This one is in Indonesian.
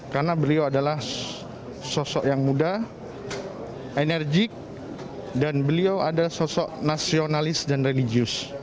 karena beliau adalah sosok yang muda enerjik dan beliau adalah sosok nasionalis dan religius